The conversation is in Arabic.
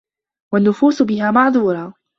وَالنُّفُوسُ بِهَا مَعْذُورَةٌ